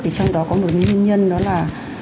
trong đó có một nguyên nhân đó là